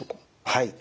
はい。